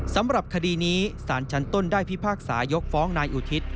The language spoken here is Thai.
สำหรับคดีนี้สารชั้นต้นได้พิพากษายกฟ้องนายอุทิศ